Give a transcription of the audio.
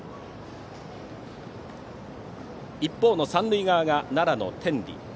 一方の三塁側、奈良の天理。